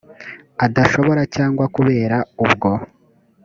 adashobora cyangwa kubera ubwo